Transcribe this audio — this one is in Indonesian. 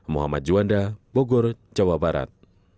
muhammad juanda bogor jawa barat